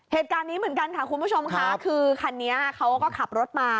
เหตุการณ์นี้เหมือนกันค่ะคุณผู้ชมค่ะคือคันนี้เขาก็ขับรถมา